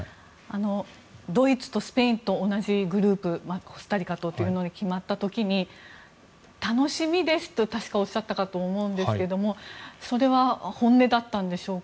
ドイツとスペインと同じグループコスタリカとというのに決まった時に楽しみですと確かおっしゃったと思うんですがそれは本音だったんでしょうか。